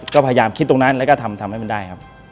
ก็พยายามคิดตรงนั้นและทำให้มันได้